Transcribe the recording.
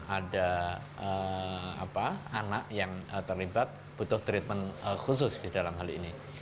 ada anak yang terlibat butuh treatment khusus di dalam hal ini